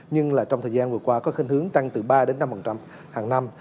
nhưng trong thời gian vừa qua có hình hướng tăng từ ba đến năm hàng năm